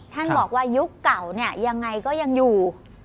แทนบอกว่ายุคเก่ายังไงก็ยังอยู่